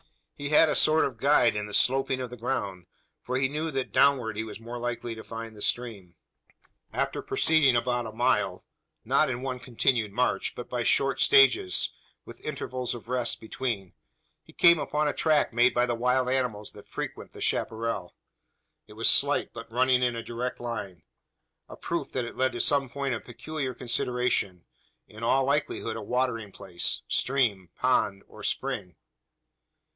He had a sort of guide in the sloping of the ground: for he knew that downward he was more likely to find the stream. After proceeding about a mile not in one continued march, but by short stages, with intervals of rest between he came upon a track made by the wild animals that frequent the chapparal. It was slight, but running in a direct line a proof that it led to some point of peculiar consideration in all likelihood a watering place stream, pond, or spring.